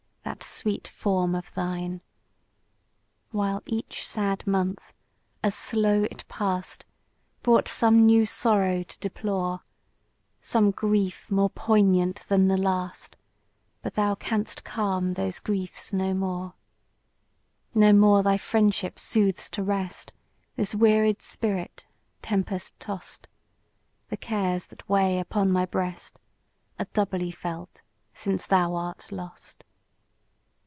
that sweet form of thine! Page 72 While each sad month, as slow it pass'd, Brought some new sorrow to deplore; Some grief more poignant than the last, But thou canst calm those griefs no more. No more thy friendship soothes to rest This wearied spirit tempest toss'd; The cares that weigh upon my breast Are doubly felt since thou art lost.